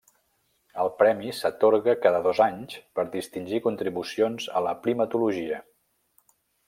El premi s'atorga cada dos anys per distingir contribucions a la primatologia.